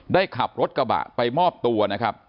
ขับรถกระบะไปมอบตัวนะครับ